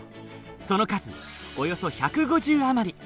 その数およそ１５０あまり。